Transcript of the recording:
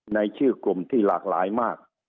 ในชื่อกลุ่มที่หลากหลายมาก